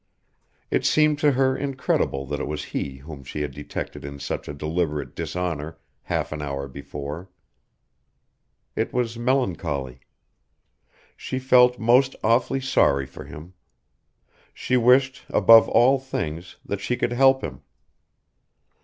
It seemed to her incredible that it was he whom she had detected in such a deliberate dishonour half an hour before. It was melancholy. She felt most awfully sorry for him. She wished, above all things, that she could help him.